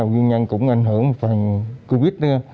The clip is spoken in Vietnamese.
nguyên nhân cũng ảnh hưởng một phần covid